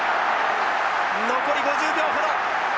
残り５０秒ほど。